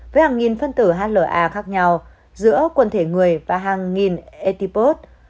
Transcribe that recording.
với hàng nghìn phân tử hla khác nhau giữa quần thể người và hàng nghìn etipod